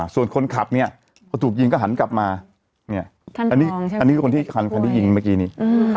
ส่วนคนขับเนี่ยถูกยิงก็หันกลับมาอันนี้คือคนที่ยิงเมื่อกี้เนี่ย